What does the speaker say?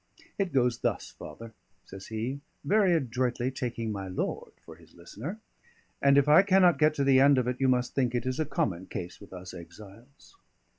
It goes thus, father," says he, very adroitly taking my lord for his listener, "and if I cannot get to the end of it, you must think it is a common case with us exiles."